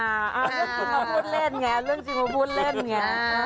อ่าเรื่องจริงมาพูดเล่นไงเรื่องจริงมาพูดเล่นไง